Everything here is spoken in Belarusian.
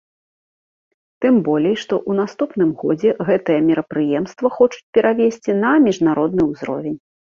Тым болей, што ў наступным годзе гэтае мерапрыемства хочуць перавесці на міжнародны ўзровень.